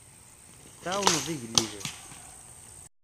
Tɛawneḍ igellilen.